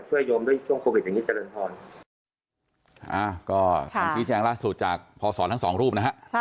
ช่วยยวมด้วยช่วงโควิดอย่างนี้จริงครับ